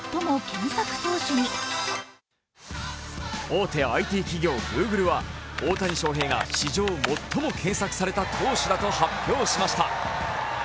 大手ＩＴ企業グーグルは大谷翔平が史上最も検索された投手だと発表しました。